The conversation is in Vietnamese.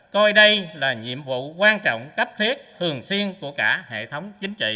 coi đây là nhiệm vụ quan trọng cấp thiết thường xuyên của cả hệ thống